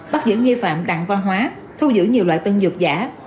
bắt giữ nghi phạm đặng văn hóa thu giữ nhiều loại tân dược giả